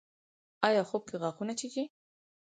ایا خوب کې غاښونه چیچئ؟